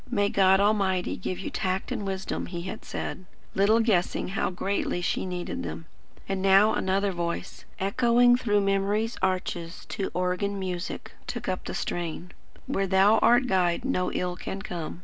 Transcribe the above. "May God Almighty give you tact and wisdom," he had said, little guessing how greatly she needed them. And now another voice, echoing through memory's arches to organ music, took up the strain: "Where Thou art Guide, no ill can come."